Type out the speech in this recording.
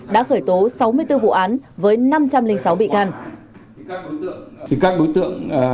đã khởi tố sáu mươi bốn vụ án với năm trăm linh sáu bị can